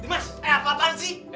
mas eh apa apaan sih